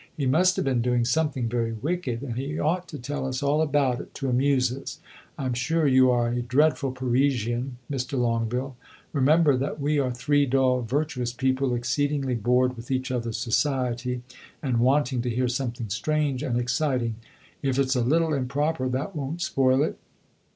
He must have been doing something very wicked, and he ought to tell us all about it, to amuse us. I am sure you are a dreadful Parisian, Mr. Longueville. Remember that we are three dull, virtuous people, exceedingly bored with each other's society, and wanting to hear something strange and exciting. If it 's a little improper, that won't spoil it."